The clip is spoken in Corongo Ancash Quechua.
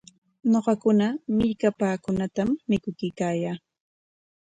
Ñuqakuna millkapaakunatam mikuykaayaa.